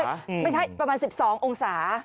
ไม่ใช่ประมาณ๑๒องศา